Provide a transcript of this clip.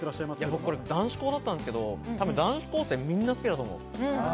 僕は男子校だったんですけれど、男子校生はみんな好きだと思う。